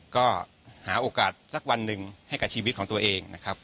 ก็หาโอกาสสักวันหนึ่งให้กับชีวิตของตัวเองนะครับ